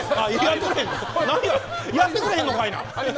何や、やってくれへんのかいな。